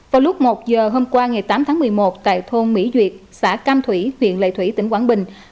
vào lúc một giờ hôm qua ngày tám tháng một mươi một tại thôn mỹ duyệt xã cam thủy huyện lệ thủy tỉnh quảng bình